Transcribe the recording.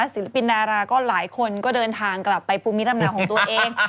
ศิลปินดาราก็หลายคนก็เดินทางกลับไปภูมิลำเนาของตัวเอง